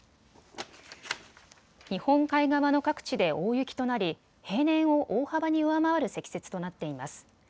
日本海側の各地で大雪となり平年を大幅に上回る積雪となっています。